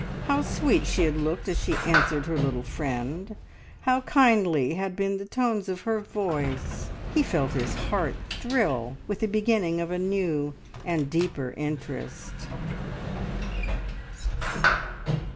How sweet she had looked as she answered her little friend, how kindly had been the tones of her voice! He felt his heart thrill with the beginning of a new and deeper interest.